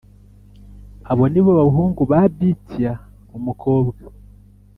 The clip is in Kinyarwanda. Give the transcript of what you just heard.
Abo ni bo bahungu ba Bitiya umukobwa